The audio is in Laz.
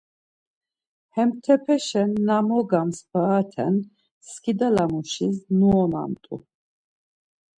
Hemtepeşen na mogams parate skidalamuşis nuonamt̆u.